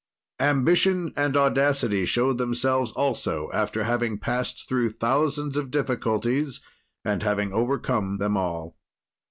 Ambition and audacity show themselves also after having passed through thousands of difficulties and having overcome them all.